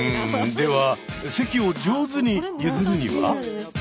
では席を上手に譲るには？